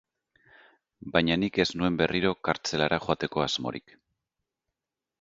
Baina nik ez nuen berriro kartzelara joateko asmorik.